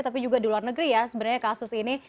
tapi juga di luar negeri ya sebenarnya kasus ini